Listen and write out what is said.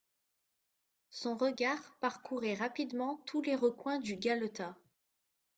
Son regard parcourait rapidement tous les recoins du galetas.